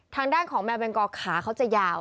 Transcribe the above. ทางด้านของแมวแบงกอขาเขาจะยาว